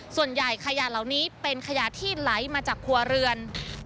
ส่วนใหญ่ขยะเหล่านี้เป็นขยะที่ไหลมาจากครัวเรือน